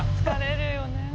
疲れるよね。